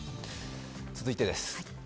続いてです。